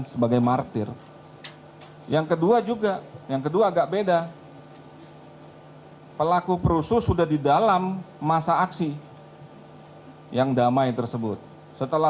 saya akan mencoba